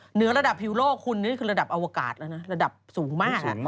เหนือระดับฮิวโลกคุณนี่คือระดับอวกาศแล้วนะระดับสูงมาก